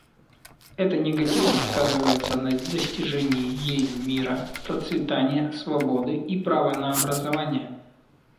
Это негативно сказывается на достижении ею мира, процветания, свободы и права на образование.